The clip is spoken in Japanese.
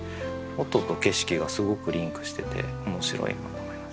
音と景色がすごくリンクしてて面白いなと思いました。